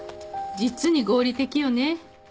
実に合理的よね。